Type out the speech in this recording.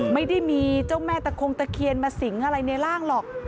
ไม่ได้มีเจ้าแม่ตะคงตะเคียนมาสิงอะไรในร่างหรอก